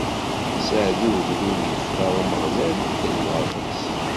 D aseɛdi ugdud i yextar Umeɣlal d lweṛt-is!